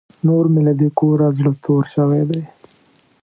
نور مې له دې کوره زړه تور شوی دی.